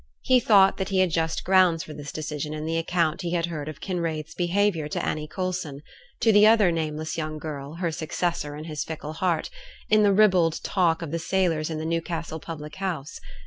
He thought that he had just grounds for this decision in the account he had heard of Kinraid's behaviour to Annie Coulson; to the other nameless young girl, her successor in his fickle heart; in the ribald talk of the sailors in the Newcastle public house.